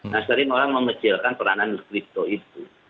nah sering orang mengecilkan peranan kripto itu